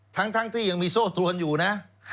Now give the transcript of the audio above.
ทั้งที่ยังมีโซ่ตรวนอยู่นะ